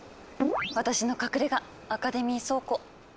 私の隠れがアカデミー倉庫。